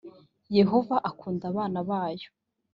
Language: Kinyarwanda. yehova akunda abana bayo.